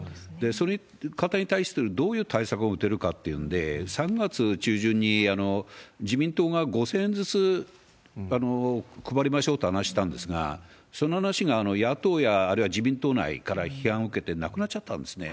そういう方に対してどういう対策を打てるかっていうんで、３月中旬に自民党が５０００円ずつ配りましょうって話してたんですが、その話が野党や、あるいは自民党内から批判を受けてなくなっちゃったんですね。